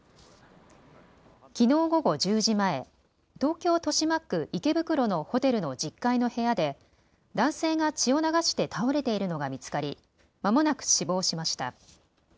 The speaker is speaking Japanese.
きのう午後１０時前、東京豊島区池袋のホテルの１０階の部屋で男性が血を流して倒れているのが見つかりまもなく死亡しました。